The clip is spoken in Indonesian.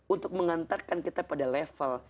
untuk mengantarkan kita pada level